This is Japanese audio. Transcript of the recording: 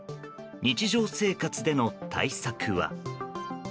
日常生活での対策は。